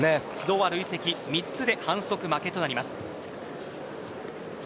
累積３つで反則負けとなります。